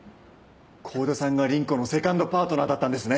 幸田さんが倫子のセカンドパートナーだったんですね。